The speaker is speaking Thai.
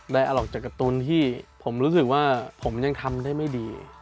ออกจากการ์ตูนที่ผมรู้สึกว่าผมยังทำได้ไม่ดี